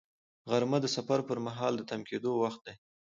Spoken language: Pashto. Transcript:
غرمه د سفر پر مهال د تم کېدو وخت دی